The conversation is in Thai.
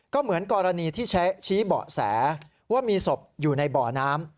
ก็เหมือนกรณีที่ชี้เบาะแสว่ามีศพอยู่ในบ่อน้ำ